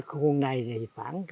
ở khuôn này thì khoảng